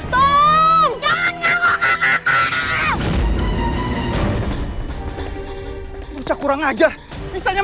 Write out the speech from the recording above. tung jangan galak galak